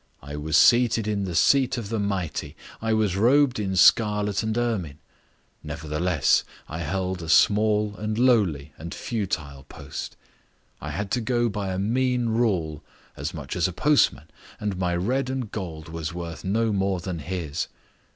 I was seated in the seat of the mighty, I was robed in scarlet and ermine; nevertheless, I held a small and lowly and futile post. I had to go by a mean rule as much as a postman, and my red and gold was worth no more than his.